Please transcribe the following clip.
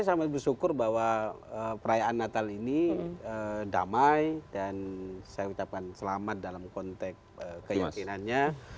saya sangat bersyukur bahwa perayaan natal ini damai dan saya ucapkan selamat dalam konteks keyakinannya